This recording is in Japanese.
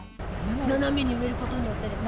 斜めに植えることによってですか？